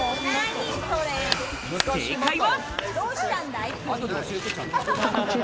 正解は。